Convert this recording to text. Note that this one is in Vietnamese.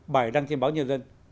bài đăng trên báo nhân dân